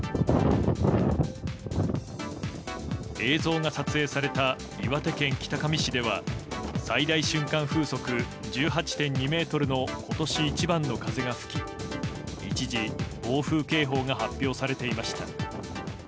映像が撮影された岩手県北上市では最大瞬間風速１８．２メートルの今年一番の風が吹き一時、暴風警報が発表されていました。